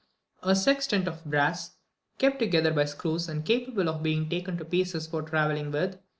23. A sextant of brass, kept together by screws, and capable of being taken to pieces for travelling with.